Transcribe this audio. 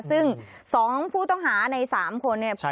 ซึ่ง๒ผู้ต้องหาใน๓คน